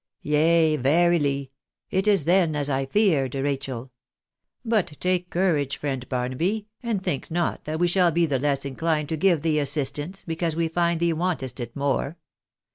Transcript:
" Yea ! verily ! It is then as I feared, Rachel ! But take courage, friend Barnaby, and think not that we shall be the less inclined to give thee assistance, because we find thee wantest it more.